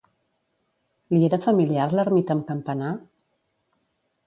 Li era familiar l'ermita amb campanar?